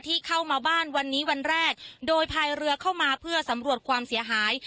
เข้ามาบ้านวันนี้วันแรกโดยพายเรือเข้ามาเพื่อสำรวจความเสียหาย